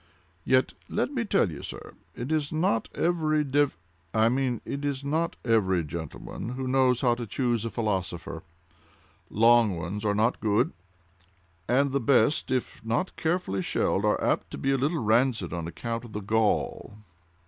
Yet, let me tell you, sir, it is not every dev—I mean it is not every gentleman who knows how to choose a philosopher. Long ones are not good; and the best, if not carefully shelled, are apt to be a little rancid on account of the gall!"